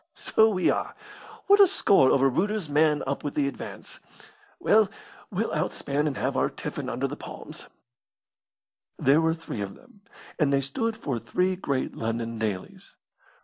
"So we are! What a score over Reuter's man up with the advance! Well, we'll outspan and have our tiffin under the palms." There were three of them, and they stood for three great London dailies.